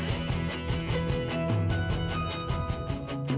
terima kasih yang membuat brent jatuh di sana